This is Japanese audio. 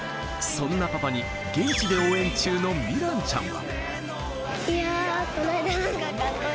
そんなパパに現地で応援中の美藍ちゃんは。